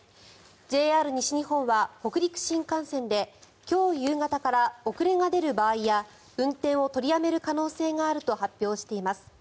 ＪＲ西日本は北陸新幹線で今日夕方から遅れが出る場合や運転を取りやめる可能性があると発表しています。